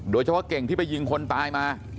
โดยเฉพาะเก่งที่ไปยิงคนตายมา